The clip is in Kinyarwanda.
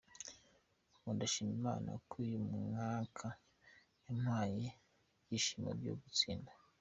Ubu ndashima Imana ko uyu mwaka yampaye ibyishimo byo gutsinda.